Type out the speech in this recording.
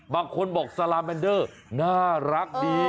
บางคนบอกสลาแมนเดอร์น่ารักดี